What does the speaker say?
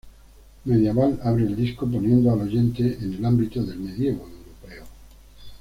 Medieval abre el disco poniendo al oyente en el ámbito del medievo europeo.